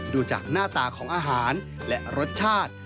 ดูจากหน้าตาของอาหารและรสชาติ